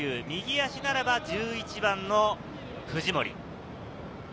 右足ならば１１番の藤森。